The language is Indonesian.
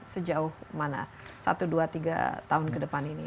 sejauh mana satu dua tiga tahun ke depan ini